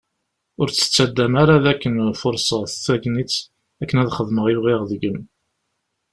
Ur tt-ttaddam ara d akken furseɣ tagnit akken ad xedmeɣ i bɣiɣ deg-m.